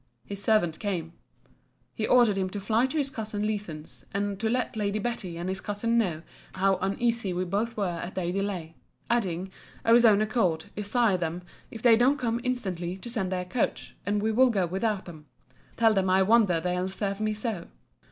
His servant came. He ordered him to fly to his cousin Leeson's, and to let Lady Betty and his cousin know how uneasy we both were at their delay: adding, of his own accord, desire them, if they don't come instantly, to send their coach, and we will go without them. Tell them I wonder they'll serve me so!